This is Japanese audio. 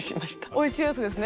おいしいやつですね。